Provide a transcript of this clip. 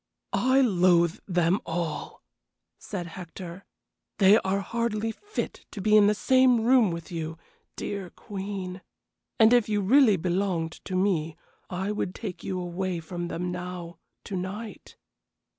"I loathe them all!" said Hector. "They are hardly fit to be in the same room with you, dear queen and if you really belonged to me I would take you away from them now to night."